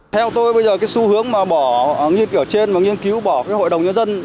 theo tôi bây giờ cái xu hướng mà bỏ nghiên cứu ở trên và nghiên cứu bỏ cái hội đồng nhân dân